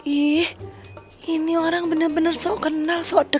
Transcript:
ih ini orang bener bener so kenal so keren ya